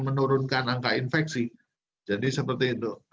kemudian angka infeksi